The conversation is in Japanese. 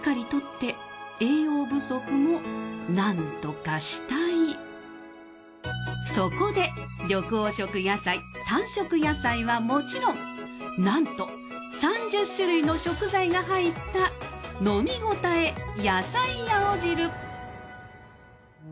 ９２歳そこで緑黄色野菜淡色野菜はもちろんなんと３０種類の食材が入った飲みごたえ野菜青汁。